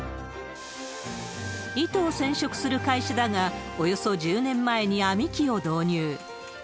糸を染色する会社だが、およそ１０年前に編み機を導入。